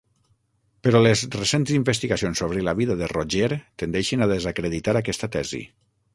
Però les recents investigacions sobre la vida de Roger tendeixen a desacreditar aquesta tesi.